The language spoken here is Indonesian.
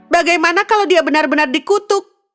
bagaimana kalau dia benar benar dikutuk